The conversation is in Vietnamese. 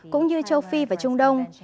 cũng như châu phi và trung đông